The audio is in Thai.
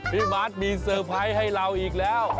มาร์ทมีเซอร์ไพรส์ให้เราอีกแล้ว